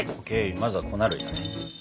まずは粉類だね。